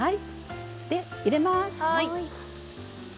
入れます。